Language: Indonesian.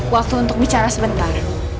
waktu untuk bicara sebentar